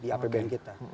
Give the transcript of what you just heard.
di dalam bank kita